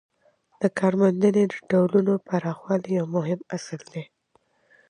د کارموندنې د ډولونو پراخوالی یو مهم اصل دی.